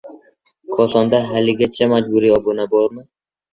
Kosonda haligacha majburiy obuna bormi?